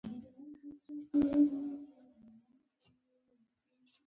پر اړیکو اغیز لرونکي شیان